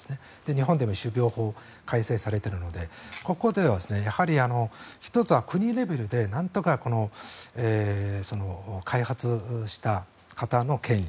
日本でも種苗法が改正されているので１つは国レベルでなんとか開発した方の権利